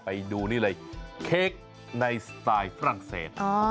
ไปดูนี่เลยเค้กในสไตล์ฝรั่งเศส